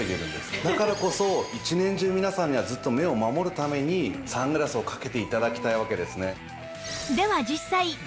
だからこそ一年中皆さんにはずっと目を守るためにサングラスをかけて頂きたいわけですね。